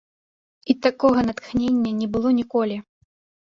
І такога натхнення не было ніколі.